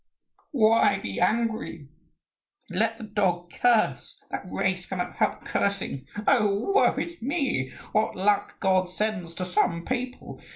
"Why be angry? Let the dog curse. That race cannot help cursing. Oh, woe is me, what luck God sends to some people!